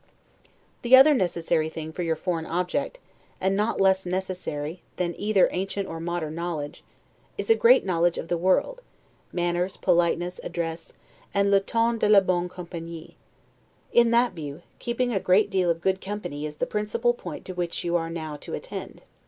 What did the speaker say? The other thing necessary for your foreign object, and not less necessary than either ancient or modern knowledge, is a great knowledge of the world, manners, politeness, address, and 'le ton de la bonne compagnie'. In that view, keeping a great deal of good company, is the principal point to which you are now to attend.